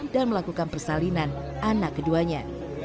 dan melakukan persalinan anak keduanya